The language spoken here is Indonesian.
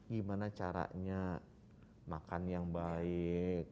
gimana caranya makan yang baik